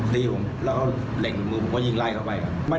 แล้วเขาเลี้ยวไหนหรือถึงแยกได้ไหม